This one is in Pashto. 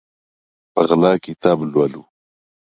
په غلا کتاب لولو